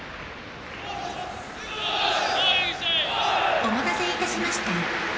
お待たせいたしました。